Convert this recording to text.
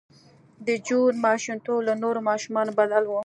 د جون ماشومتوب له نورو ماشومانو بدل و